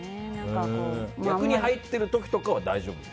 役に入っている時とかは大丈夫？